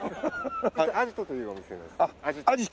「あじと」というお店なんです。